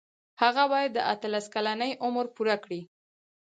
هغه باید د اتلس کلنۍ عمر پوره کړي.